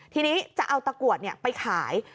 ทีนี้จะเอาตะกรวดไปขาย